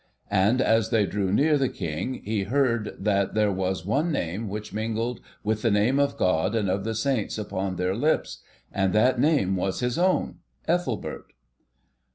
And as they drew near the King, he heard that there was one name which mingled with the name of God and of the Saints upon their lips, and that name was his own, 'Ethelbert.